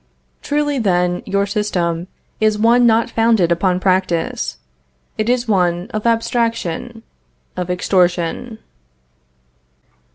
Truly, then, your system is one not founded upon practice; it is one of abstraction of extortion.